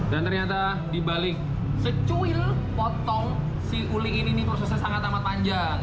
dan ternyata dibalik secuil potong si uli ini prosesnya sangat amat panjang